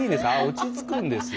落ち着くんです。